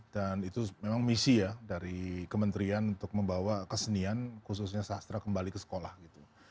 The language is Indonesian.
dan itu memang misi ya dari kementerian untuk membawa kesenian khususnya sastra kembali ke sekolah gitu